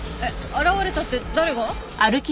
現れたって誰が？